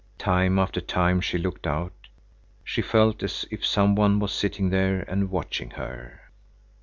Time after time she looked out. She felt as if some one was sitting there and watching her.